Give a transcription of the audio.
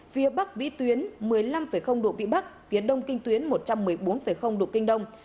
phía bắc vĩ tuyến một mươi năm độ vĩ bắc phía đông kinh tuyến một trăm một mươi bốn độ kinh đông